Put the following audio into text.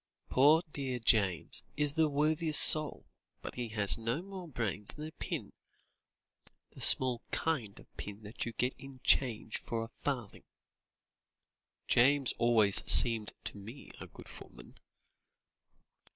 "Poor dear James is the worthiest soul, but he has no more brains than a pin the small kind of pin that you get in change for a farthing!" "James always seemed to me a good footman."